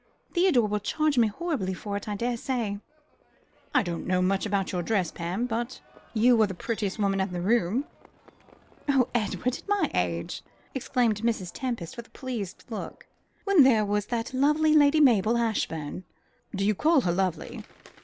Theodore will charge me horribly for it, I daresay." "I don't know much about your dress, Pam, but you were the prettiest woman in the room." "Oh Edward, at my age!" exclaimed Mrs. Tempest, with a pleased look, "when there was that lovely Lady Mabel Ashbourne." "Do you call her lovely?